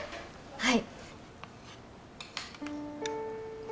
はい。